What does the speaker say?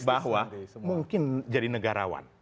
bahwa mungkin jadi negarawan